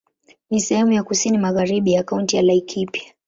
Ni sehemu ya kusini magharibi ya Kaunti ya Laikipia.